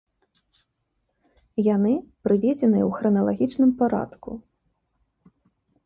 Яны прыведзеныя ў храналагічным парадку.